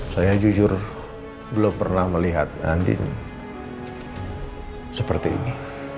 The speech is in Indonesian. saya jujur belum pernah melihat andin seperti ini